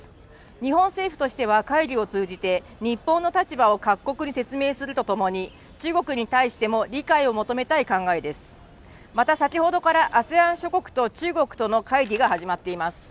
日本政府としては会議を通じて日本の立場を各国に説明するとともに中国に対しても理解を求めたい考えですまた先ほどからＡＳＥＡＮ諸国と中国との会議が始まっています